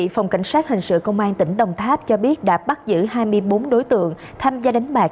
phòng cảnh sát hình sự công an tỉnh đồng tháp cho biết đã bắt giữ hai mươi bốn đối tượng tham gia đánh bạc